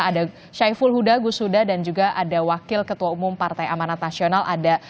ada syaiful huda gusuda dan juga ada wakil ketua umum partai amanat nasional ada